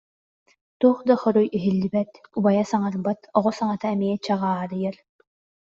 туох да хоруй иһиллибэт, убайа саҥарбат, оҕо саҥата эмиэ чаҕаарыйар